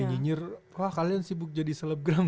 nyinyir wah kalian sibuk jadi selebgram